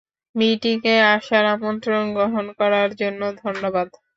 মিটিংয়ে আসার আমন্ত্রণ গ্রহণ করার জন্য ধন্যবাদ।